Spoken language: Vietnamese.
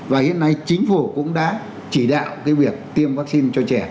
và hiện nay chính phủ cũng đã chỉ đạo cái việc tiêm vắc xin cho trẻ